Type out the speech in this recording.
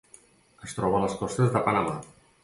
Es troba a les costes de Panamà.